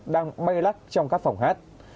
đang bay lắc trong các phòng hát